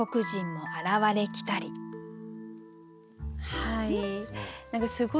はい。